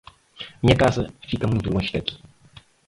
Minha casa fica muito longe daqui.